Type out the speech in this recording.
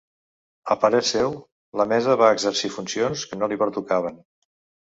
A parer seu, la mesa va exercir funcions que no li pertocaven.